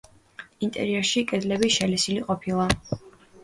ინტერიერში კედლები შელესილი ყოფილა.